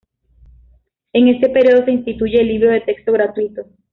En este periodo se instituye el Libro de Texto Gratuito.